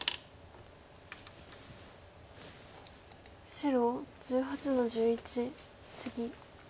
白１８の十一ツギ。